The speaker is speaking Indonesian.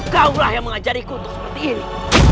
kau lah yang mengajariku untuk seperti ini